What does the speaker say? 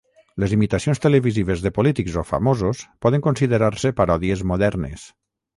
Les imitacions televisives de polítics o famosos poden considerar-se paròdies modernes.